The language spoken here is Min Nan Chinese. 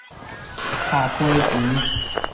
下溪墘